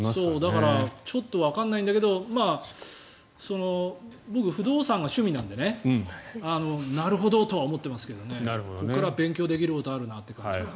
だからちょっとわからないんだけど僕、不動産が趣味なのでなるほどとは思ってますけどここから勉強できるところあるなという感じは。